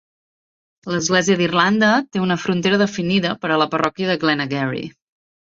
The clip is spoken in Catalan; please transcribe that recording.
L'Església d'Irlanda té una frontera definida per a la parròquia de Glenageary.